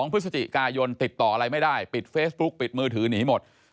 พฤศจิกายนติดต่ออะไรไม่ได้ปิดเฟซบุ๊กปิดมือถือหนีหมด